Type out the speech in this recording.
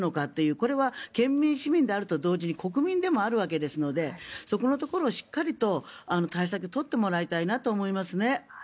これは県民、市民であると同時に国民でもあるわけですのでそこのところをしっかりと対策を取ってもらいたいと思いますね。